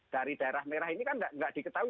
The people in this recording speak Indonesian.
dari daerah merah ini kan nggak diketahui